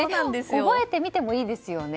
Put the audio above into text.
覚えてみてもいいですよね。